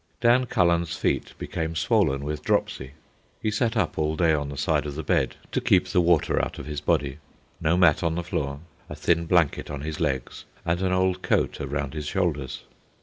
Dan Cullen's feet became swollen with dropsy. He sat up all day on the side of the bed (to keep the water out of his body), no mat on the floor, a thin blanket on his legs, and an old coat around his shoulders.